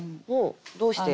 どうして？